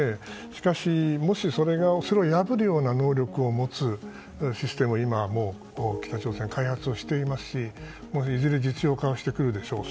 しかしもしそれを破るような能力を持つシステムを今、北朝鮮は開発していますしいずれ実用化してくるでしょう。